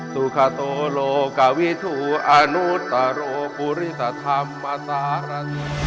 สุขาโตโลกาวิทูอานุตโรปุริตธรรมอสารัน